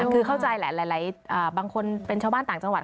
คือเข้าใจแหละหลายคนเป็นชาวบ้านต่างจังหวัด